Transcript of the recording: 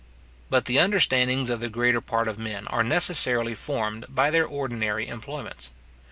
But the understandings of the greater part of men are necessarily formed by their ordinary employments.